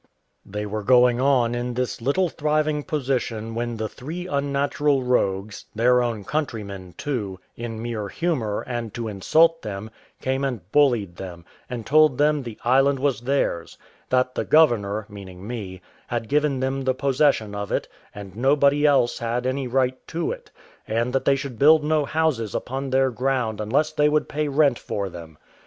They were going on in this little thriving position when the three unnatural rogues, their own countrymen too, in mere humour, and to insult them, came and bullied them, and told them the island was theirs: that the governor, meaning me, had given them the possession of it, and nobody else had any right to it; and that they should build no houses upon their ground unless they would pay rent for them.